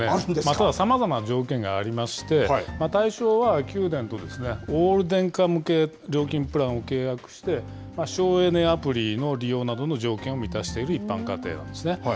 ただ、さまざまな条件がありまして、対象は、九電とオール電化向け料金プランを契約して、省エネアプリの利用などの条件を満たしている一般家庭なんですね。